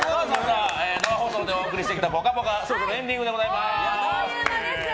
生放送でお送りしてきた「ぽかぽか」そろそろエンディングでございます。